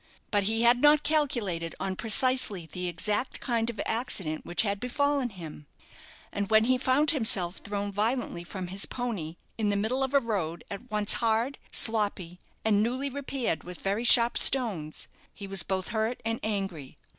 But he had not calculated on precisely the exact kind of accident which had befallen him, and when he found himself thrown violently from his pony, in the middle of a road at once hard, sloppy, and newly repaired with very sharp stones, he was both hurt and angry.